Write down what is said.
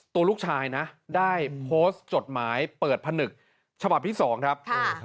ตัวลูกชายนะได้โพสต์จดหมายเปิดผนึกฉบับที่๒ครับ